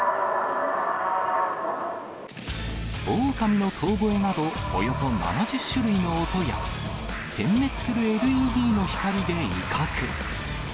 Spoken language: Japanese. オオカミの遠吠えなど、およそ７０種類の音や、点滅するＬＥＤの光で威嚇。